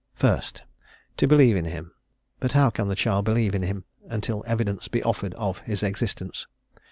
First, "to believe in him;" but how can the child believe in him until evidence be offered of his existence?